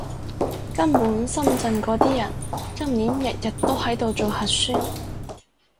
根本深圳嗰啲人，今年日日都喺度做核酸